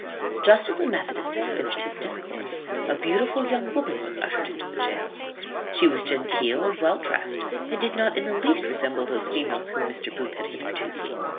Just as the methodist had finished his discourse, a beautiful young woman was ushered into the gaol. She was genteel and well drest, and did not in the least resemble those females whom Mr. Booth had hitherto seen.